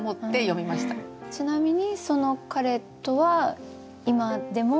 ちなみにその彼とは今でも？